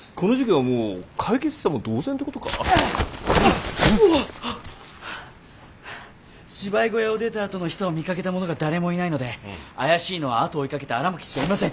はあはあ芝居小屋を出たあとのヒサを見かけた者が誰もいないので怪しいのは後を追いかけた荒巻しかいません。